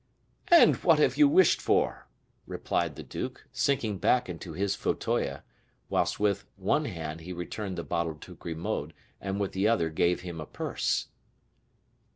"And what have you wished for?" replied the duke, sinking back into his fauteuil, whilst with one hand he returned the bottle to Grimaud, and with the other gave him a purse.